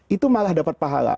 itu malah dapat pahala